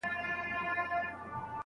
استاد د څېړني پر مهال ستونزي نه جوړوي.